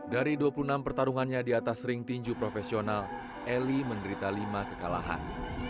dari dua puluh enam pertarungannya di atas ring tinju profesional eli menderita lima kekalahan